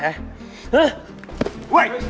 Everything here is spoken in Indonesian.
tidak kirprowadkan untuk memberikan kesahuan